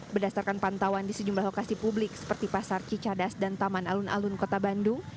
berdasarkan pantauan di sejumlah lokasi publik seperti pasar cicadas dan taman alun alun kota bandung